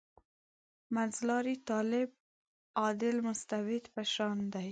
منځلاری طالب «عادل مستبد» په شان دی.